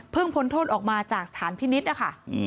เพิ่งพ้นโทษออกมาจากสถานพินิษฐ์